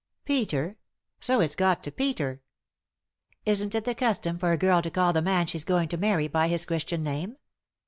" Peter 1 — so it's got to Peter I "" Isn't it the custom for a girl to call the man she's going to marry by his Christian name